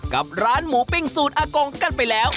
กับร้านหมูปิ้งสูตรอากงกันไปแล้ว